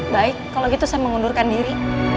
baik kalau gitu saya mengundurkan diri